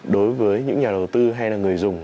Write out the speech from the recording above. đối với những nhà đầu tư hay là người dùng